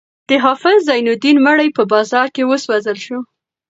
د حافظ زین الدین مړی په بازار کې وسوځول شو.